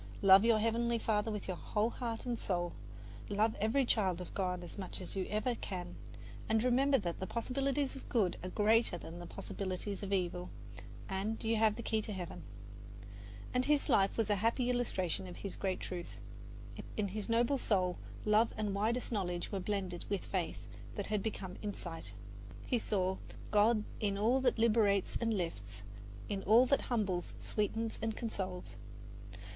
Love your Heavenly Father with your whole heart and soul, love every child of God as much as ever you can, and remember that the possibilities of good are greater than the possibilities of evil; and you have the key to Heaven." And his life was a happy illustration of this great truth. In his noble soul love and widest knowledge were blended with faith that had become insight. He saw God in all that liberates and lifts, In all that humbles, sweetens and consoles.